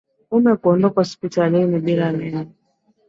Mume kuondoka hospitalini bila neno